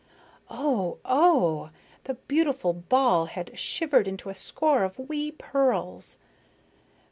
Oh, oh! The beautiful ball had shivered into a score of wee pearls.